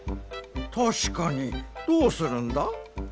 たしかにどうするんだ？